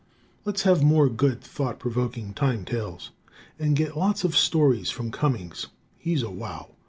Let's have more good thought provoking time tales. And get lots of stories from Cummings he's a wow.